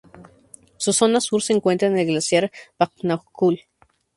Su zona sur se encuentra el glaciar Vatnajökull.